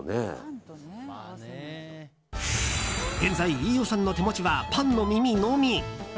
現在、飯尾さんの手持ちはパンの耳のみ。